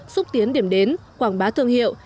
xúc tiến điểm đến quảng bá thương hiệu